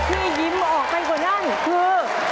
ที่ยิ้มออกไปกว่านั้นคือ